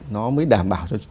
nó mới đảm bảo